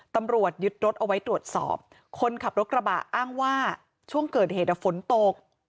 ตำรวจยึดรถเอาไว้ตรวจสอบคนขับรถกระบะอ้างว่าช่วงเกิดเหตุฝนตก